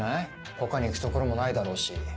他に行く所もないだろうし。